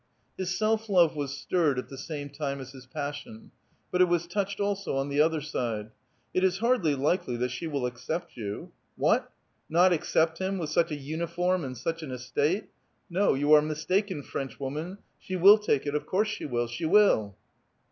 His self love was stirred at the same time as his passion. But it was touched also on the other side. "It is hardly likel}' that she will accept you." What ! not accept him with such a uniform and such an estate ? No, vou are mis taken. Frenchwoman; she will take it; of course, she will, she will